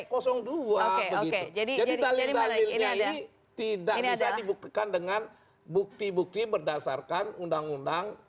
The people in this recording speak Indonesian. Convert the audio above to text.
jadi dalil dalilnya ini tidak bisa dibuktikan dengan bukti bukti berdasarkan undang undang